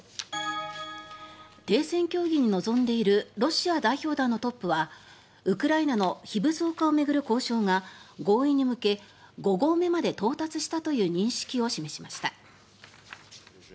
停戦協議に臨んでいるロシア代表団のトップはウクライナの非武装化を巡る交渉が合意に向け５合目まで到達したという認識を示しました。